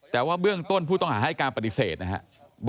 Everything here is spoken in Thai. แต่ว่าเบื้องต้นผู้ต้องหาให้การปฏิเสธนะครับ